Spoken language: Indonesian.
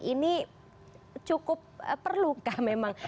ini cukup perlukah memang